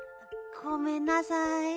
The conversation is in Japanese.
ごめんなさい。